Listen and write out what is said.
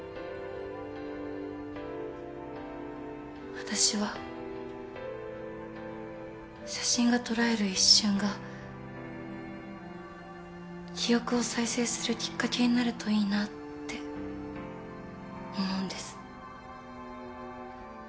私は写真が捉える一瞬が記憶を再生するきっかけになるといいなって思うんです。